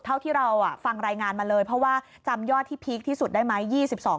เท่าที่เราฟังรายงานมาเลยเพราะว่าจำยอดที่พีคที่สุดได้ไหม